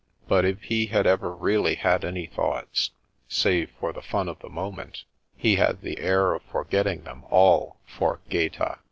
But if he had ever really had any thoughts, save for the fun of the moment, he had the air of forgetting them all for Gaeta.